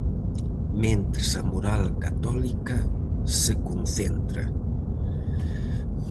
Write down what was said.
Mentres a moral católica se concentra.